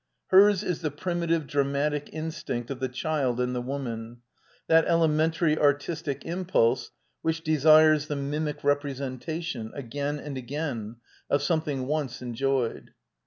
Hers is the primitive dramatic instinct of the child and the woman — that elementary artistic impulse which desires the mimic representation, again and again, of something once enjoyed.